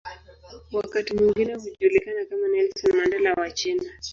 Wakati mwingine hujulikana kama "Nelson Mandela wa China".